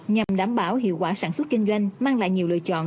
nhằm đảm bảo hiệu quả sản xuất kinh doanh mang lại nhiều lựa chọn